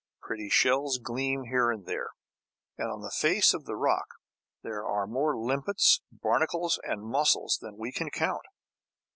Pretty shells gleam here and there; and on the face of the rock there are more limpets, barnacles and mussels than we can count.